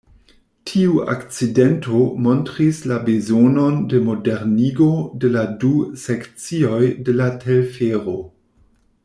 Tiu akcidento montris la bezonon de modernigo de la du sekcioj de la telfero.